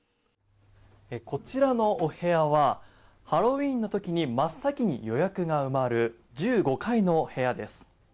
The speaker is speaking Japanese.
こちらのお部屋はハロウィーンの時に真っ先に予約が埋まる１５階の部屋です。